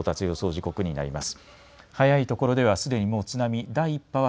時刻になります。